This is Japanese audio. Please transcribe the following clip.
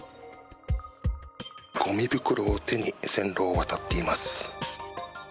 ごみ袋を手に線路を渡っています。